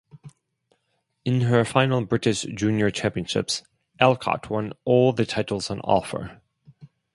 In her final British Junior Championships, Alcott won all the titles on offer.